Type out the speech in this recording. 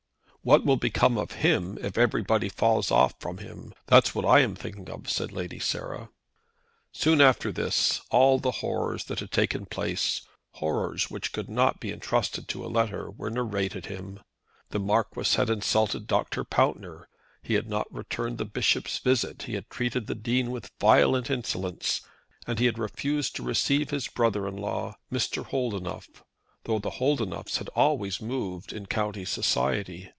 "What will become of him if everybody falls off from him. That's what I am thinking of," said Lady Sarah. Soon after this all the horrors that had taken place, horrors which could not be entrusted to a letter, were narrated him. The Marquis had insulted Dr. Pountner, he had not returned the Bishop's visit, he had treated the Dean with violent insolence, and he had refused to receive his brother in law, Mr. Holdenough, though the Holdenoughs had always moved in county society!